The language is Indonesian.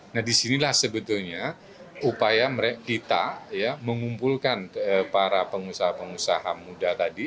nah disinilah sebetulnya upaya kita ya mengumpulkan para pengusaha pengusaha muda tadi